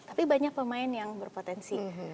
tapi banyak pemain yang berpotensi